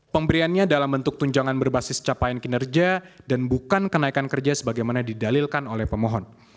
pemberiannya dalam bentuk tunjangan berbasis capaian kinerja dan bukan kenaikan kerja sebagaimana didalilkan oleh pemohon